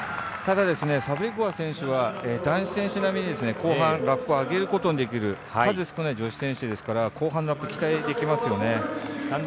ただサブリコバー選手は男子選手並みに後半、ラップをあげることのできる数少ない女子選手ですから後半のラップ期待できますよね。